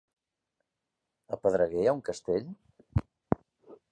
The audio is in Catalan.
A Pedreguer hi ha un castell?